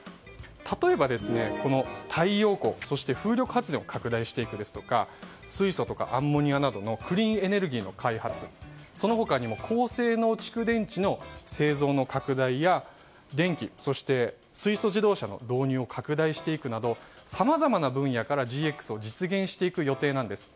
例えば、太陽光、そして風力発電を拡大していくですとか水素、アンモニアなどのクリーンエネルギーの開発その他にも高性能蓄電池の製造の拡大や電気、そして水素自動車の導入を拡大していくなどさまざまな分野からＧＸを実現していく予定なんです。